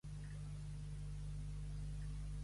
A les lleis de Déu no hi valen trampes.